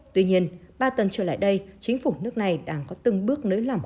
tuy nhiên ba tuần trở lại đây chính phủ nước này đang có từng bước nới lỏng